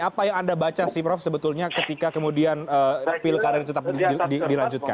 apa yang anda baca sih prof sebetulnya ketika kemudian pilkada ini tetap dilanjutkan